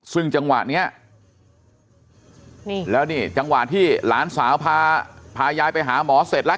ซึ่งจังหวะเนี้ยนี่แล้วนี่จังหวะที่หลานสาวพายายไปหาหมอเสร็จแล้ว